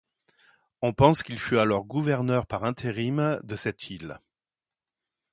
On pense qu'il fut alors gouverneur par intérim de cette île.